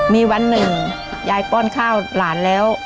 มีวันหนึ่งยายป้อนข้าวหลานแล้ว